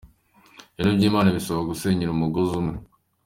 Ibintu by’Imana bisaba gusenyera umugozi umwe.